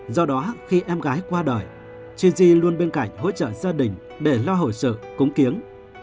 do đó khi em gái qua đời truy duy luôn bên cạnh hỗ trợ gia đình để lo hội sự cúng kiếng